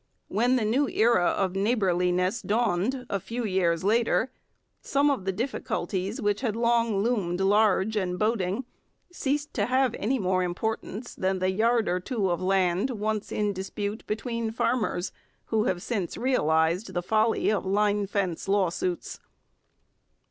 When the new era of neighbourliness dawned, a few years later, some of the difficulties which had long loomed large and boding ceased to have any more importance than the yard or two of land once in dispute between farmers who have since realized the folly of line fence lawsuits.